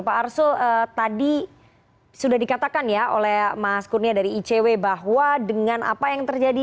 pak arsul tadi sudah dikatakan ya oleh mas kurnia dari icw bahwa dengan apa yang terjadi